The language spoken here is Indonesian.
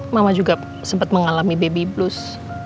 mama juga sempat mengalami baby blues